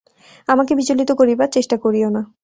আমাকে বিচলিত করিবার চেষ্টা করিয়ো না।